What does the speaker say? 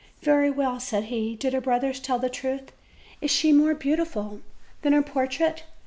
"Very well," said he, "did her brothers tell the truth? is she more beautiful than her portrait?"